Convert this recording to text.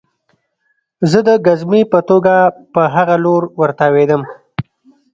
زه د ګزمې په توګه په هغه لور ورتاوېدم